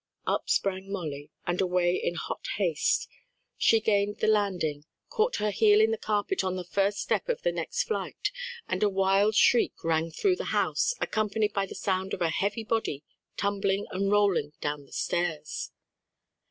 Up sprang Molly, and away in hot haste. She gained the landing, caught her heel in the carpet on the first step of the next flight, and a wild shriek rang through the house, accompanied by the sound of a heavy body tumbling and rolling down the stairs.